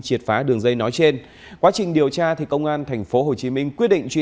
triệt phá đường dây nói trên quá trình điều tra thì công an thành phố hồ chí minh quyết định truy